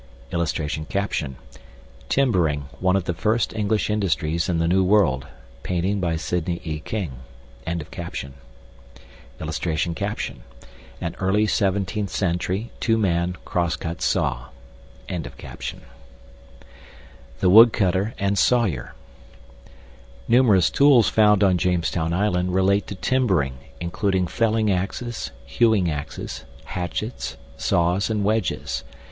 [Illustration: TIMBERING ONE OF THE FIRST ENGLISH INDUSTRIES IN THE NEW WORLD. (Painting by Sidney E. King.)] [Illustration: AN EARLY 17TH CENTURY, TWO MAN, CROSSCUT SAW.] THE WOODCUTTER AND SAWYER Numerous tools found on Jamestown Island relate to timbering, including felling axes, hewing axes, hatchets, saws, and wedges.